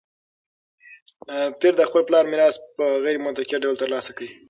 پییر د خپل پلار میراث په غیر متوقع ډول ترلاسه کړ.